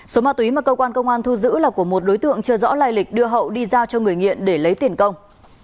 số ma túy mà cơ quan công an thu giữ là của một đối tượng chưa rõ lai lịch đưa hậu đi giao cho người nghiện để lấy tiền công